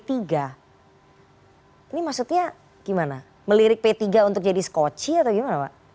ini maksudnya gimana melirik p tiga untuk jadi skoci atau gimana pak